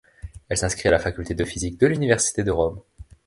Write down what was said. Elle s'inscrit à la faculté de physique de l'Université de Rome.